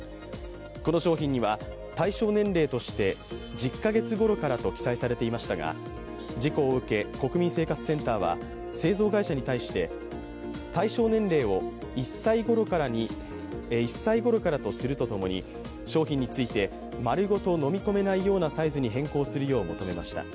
この商品には、対象年齢として１０カ月頃からと記載されていましたが事故を受け国民生活センターは製造会社に対して、対象年齢を１歳ごろからとするとともに商品について、まるごと飲み込めないようなサイズに変更するよう求めました。